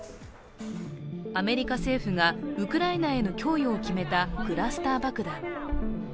アメリカ政府がウクライナへの供与を決めたクラスター爆弾。